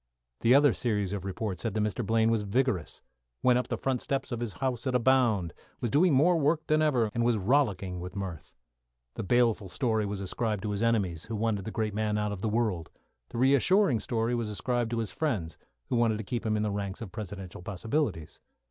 The other series of reports said that Mr. Blaine was vigorous; went up the front steps of his house at a bound; was doing more work than ever, and was rollicking with mirth. The baleful story was ascribed to his enemies, who wanted the great man out of the world. The reassuring story was ascribed to his friends, who wanted to keep him in the ranks of Presidential possibilities.